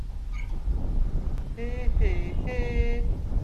Thus the joint entropy of the combined system is less than that of subsystems.